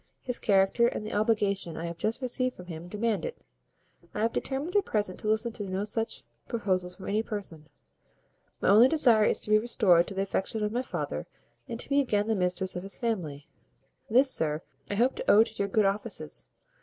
His character, and the obligation I have just received from him, demand it. I have determined at present to listen to no such proposals from any person. My only desire is to be restored to the affection of my father, and to be again the mistress of his family. This, sir, I hope to owe to your good offices.